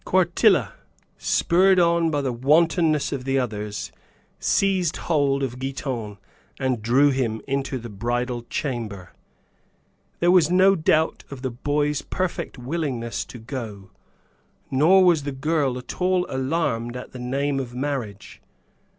Quartilla, spurred on by the wantonness of the others, seized hold of Giton and drew him into the bridal chamber. There was no doubt of the boy's perfect willingness to go, nor was the girl at all alarmed at the name of marriage.